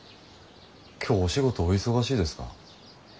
今日お仕事お忙しいですか？